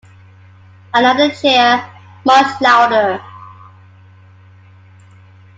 Another cheer, much louder.